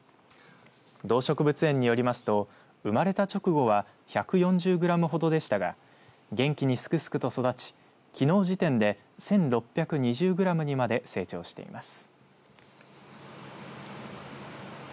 動植物園によりますと生まれた直後は１４０グラムほどでしたが元気にすくすくと育ちきのう時点で１６２０グラムにまで成長しています。